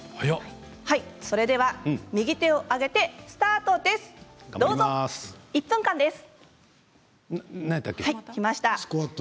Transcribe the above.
それでは右手を上げてスタートです。